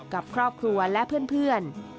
กับครอบครัวและเพื่อน